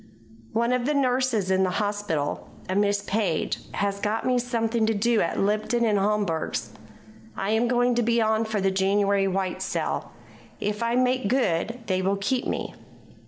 "One of the nurses in the hospital, a Miss Page, has got me something to do at Lipton and Homburg's. I am going on for the January white sale. If I make good they will keep me."